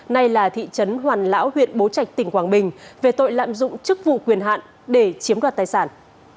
nay là thị trấn hoàn lão huyện bố trạch tỉnh quảng bình về tội lạm dụng chức vụ quyền hạn để chiếm đoạt tài sản